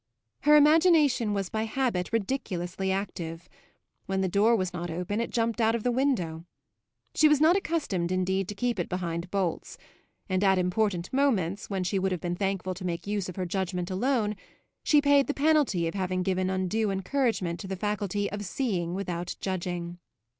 Her imagination was by habit ridiculously active; when the door was not open it jumped out of the window. She was not accustomed indeed to keep it behind bolts; and at important moments, when she would have been thankful to make use of her judgement alone, she paid the penalty of having given undue encouragement to the faculty of seeing without judging.